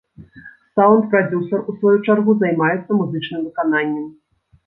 Саўнд-прадзюсар, у сваю чаргу, займаецца музычным выкананнем.